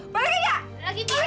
balikin ya balikin